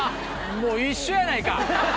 もう一緒やないか！